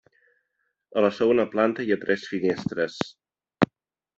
A la segona planta hi ha tres finestres.